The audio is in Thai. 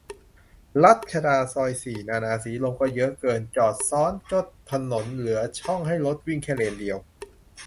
รัชดาซอยสี่ นานา สีลม ก็เยอะเกิน จอดซ้อนจดถนนเหลือช่องให้รถวิ่งแค่เลนเดียว